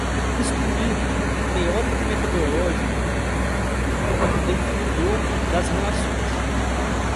instrumento teórico-metodológico, definidor das relações